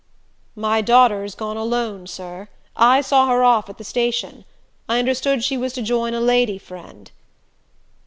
"My daughter's gone alone, sir. I saw her off at the station. I understood she was to join a lady friend."